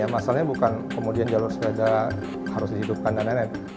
masalahnya bukan kemudian jalur sepeda harus dihidupkan dan lain lain